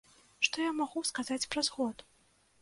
Што я магу сказаць праз год?